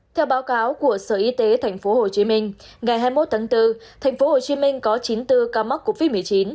theo báo cáo của sở y tế tp hcm ngày hai mươi một tháng bốn tp hcm có chín mươi bốn ca mắc covid một mươi chín